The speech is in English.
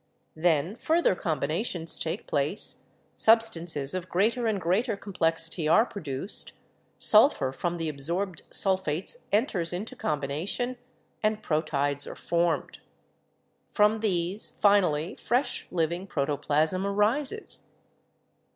Then further combinations take place, substances of greater and greater complexity are produced, sulphur from the absorbed sulphates enters into combination and proteids are formed. From these finally fresh living pro toplasm arises.